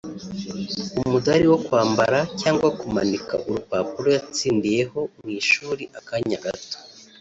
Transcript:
umudali wo kwambara cyangwa kumanika urupapuro yatsindiyeho mu shuri akanya gato